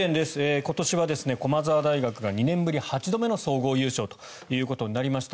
今年は駒澤大学が２年ぶり８度目の総合優勝となりました。